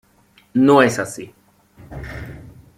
No es así.